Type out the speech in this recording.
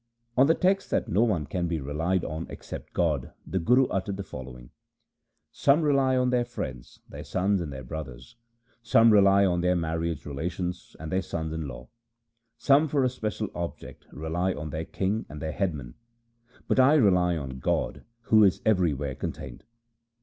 1 On the text that no one can be relied on except God the Guru uttered the following :— Some rely 2 on their friends, their sons, and their brothers ; Some rely on their marriage relations, and their sons in aw ; Some for a special object rely on their king and their headman, But I rely on God who is everywhere contained.